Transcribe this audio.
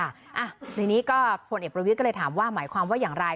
ในนี้ก็พลเอกประวิทย์ก็เลยถามว่าหมายความว่าอย่างไร